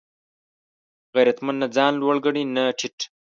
غیرتمند نه ځان لوړ ګڼي نه ټیټ